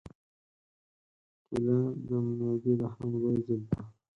کېله د معدې د حملو ضد ده.